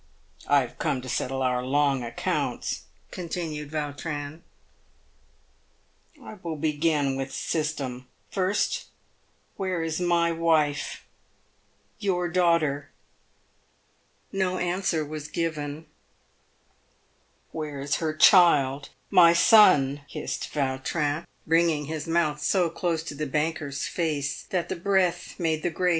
" I have come to settle our long accounts," continued Yautrin. " I will begin with system. First, where is my wife, your daughter ?" No answer was given. "Where is her child — my son?" hissed Yautrin, bringing his mouth so close to the banker's face that the breath made the grey 404 PAYED WITH GOLD.